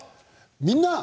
「みんな！